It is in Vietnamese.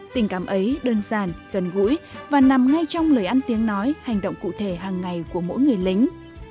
tình cảm ấy đơn giản gần gũi và nằm ngay trong lời ăn tiếng nói hành động cụ thể hàng ngày của mỗi người lính